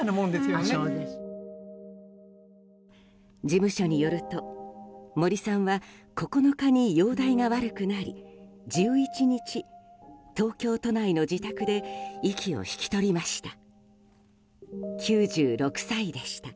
事務所によると森さんは９日に容態が悪くなり１１日東京都内の自宅で息を引き取りました。